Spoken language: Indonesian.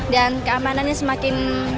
dan keamanannya semakin